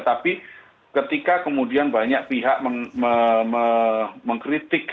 tapi ketika kemudian banyak pihak mengkritik